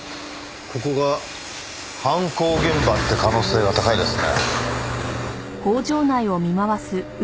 ここが犯行現場って可能性は高いですね。